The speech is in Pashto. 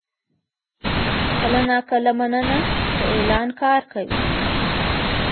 کله ناکله «مننه» د اعلان کار کوي.